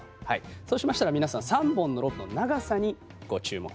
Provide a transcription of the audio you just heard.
そうしましたら皆さん３本のロープの長さにご注目。